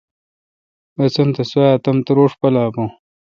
بسنت سوا تمتوروݭ پالا بون۔